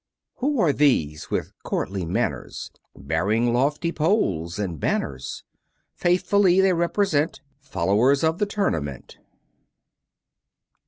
Who are these with courtly manners Bearing lofty poles and banners? Faithfully they represent Followers of the tournament.